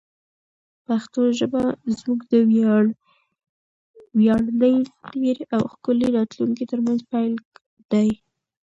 پښتو ژبه زموږ د ویاړلي تېر او ښکلي راتلونکي ترمنځ پل دی.